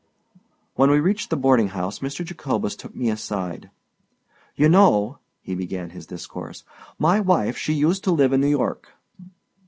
When we reached the boarding house, Mr. Jacobus took me aside. "You know," he began his discourse, "my wife she uset to live in N' York!"